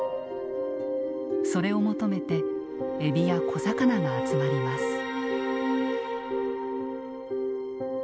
それを求めてエビや小魚が集まります。